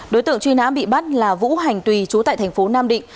đối tượng truy nã bị bắt là vũ hành tùy chú tại thành phố nam định